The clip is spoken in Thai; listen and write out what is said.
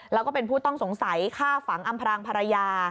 แล้วก็เป็นผู้ต้องสงสัยฆ่าฝังอำพรางภรรยา